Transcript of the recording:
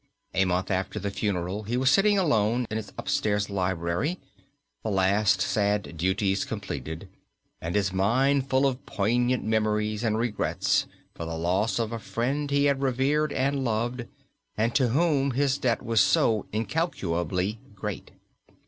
A month after the funeral he was sitting alone in his upstairs library, the last sad duties completed, and his mind full of poignant memories and regrets for the loss of a friend he had revered and loved, and to whom his debt was so incalculably great.